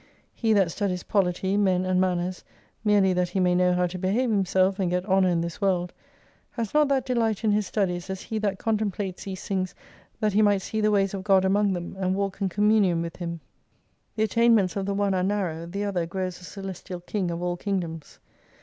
He that studies polity, men and manners, merely that he may know how to behave himself, and get honour in this world, has not that delight in his studies as he that contemplates these things that he might see the ways of God among them, and walk in communion with Him. The attainments of the one are narrow, the other grows a celestial King of all Kingdoms.